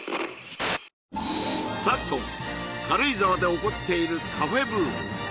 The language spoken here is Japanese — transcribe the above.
昨今軽井沢で起こっているカフェブーム